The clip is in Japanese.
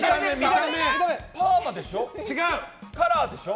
パーマでしょ？